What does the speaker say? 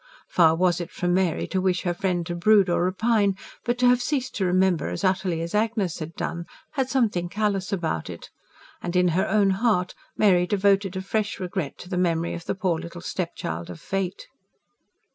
Far was it from Mary to wish her friend to brood or repine; but to have ceased to remember as utterly as Agnes had done had something callous about it; and, in her own heart, Mary devoted a fresh regret to the memory of the poor little stepchild of fate.